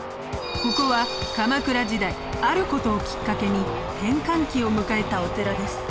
ここは鎌倉時代ある事をきっかけに転換期を迎えたお寺です。